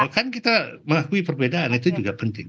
kan kita mengakui perbedaan itu juga penting